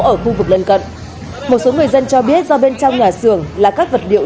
ở khu vực lân cận một số người dân cho biết do bên trong nhà xưởng là các vật liệu